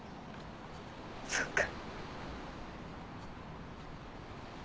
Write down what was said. そっか。